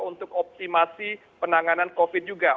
untuk optimasi penanganan covid juga